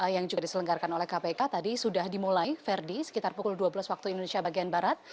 yang juga diselenggarkan oleh kpk tadi sudah dimulai ferdi sekitar pukul dua belas waktu indonesia bagian barat